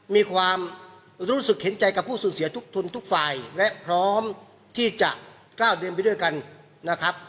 มีความรู้สึกเห็นใจกับผู้สูญเสียทุกทุนทุกฝ่ายและพร้อมที่จะก้าวเดินไปด้วยกันนะครับ